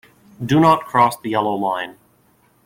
Do not cross the yellow line.